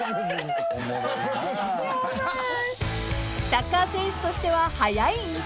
［サッカー選手としては早い引退］